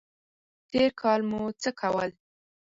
تېر کال مو څه کول؟